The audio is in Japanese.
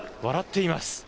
笑っています。